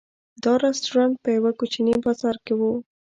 دا رسټورانټ په یوه کوچني بازار کې و.